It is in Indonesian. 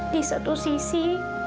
di satu sisi